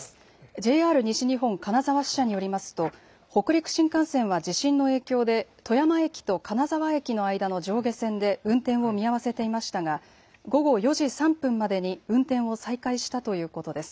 ＪＲ西日本金沢支社によりますと北陸新幹線は地震の影響で富山駅と金沢駅の間の上下線で運転を見合わせていましたが午後４時３分までに運転を再開したということです。